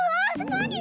何？